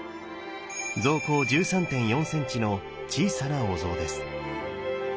像高１３．４ｃｍの小さなお像です。